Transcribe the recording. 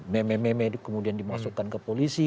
meme meme kemudian dimasukkan ke polisi